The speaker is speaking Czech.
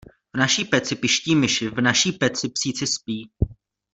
V naší peci piští myši, v naší peci psíci spí.